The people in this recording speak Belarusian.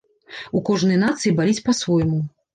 У кожнай нацыі баліць па-свойму.